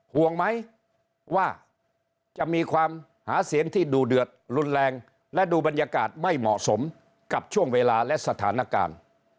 ห่วงไหมว่าจะมีความหาเสียงที่ดูเดือดรุนแรงและดูบรรยากาศไม่เหมาะสมกับช่วงเวลาและสถานการณ์